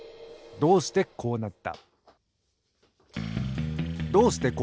どうしてこうなった？